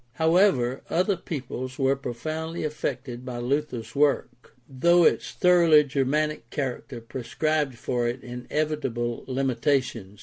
However, other peoples were profoundly affected by Luther's work, J:hough its thoroughly Germanic character prescribed for it inevitable limitations.